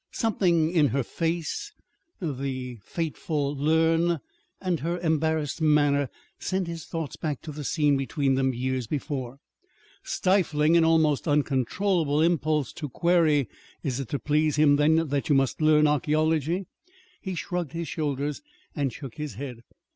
Something in her face, the fateful "learn," and her embarrassed manner, sent his thoughts back to the scene between them years before. Stifling an almost uncontrollable impulse to query, "Is it to please him, then, that you must learn archæology?" he shrugged his shoulders and shook his head.